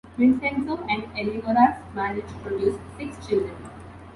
Vincenzo and Eleonora's marriage produced six children.